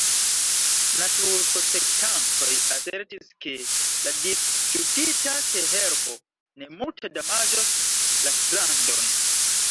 Naturprotektantoj asertis, ke la disŝutita teherbo ne multe damaĝos la strandon.